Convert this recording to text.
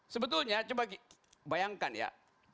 sebetulnya coba bayangkan ya